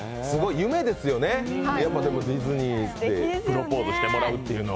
夢ですよね、ディズニーでプロポーズしてもらうというのは。